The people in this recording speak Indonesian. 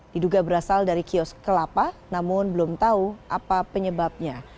diduga berasal dari kios kelapa namun belum tahu apa penyebabnya